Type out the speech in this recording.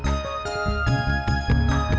dan selamat datang ke bali